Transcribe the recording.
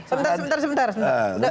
sebentar sebentar sebentar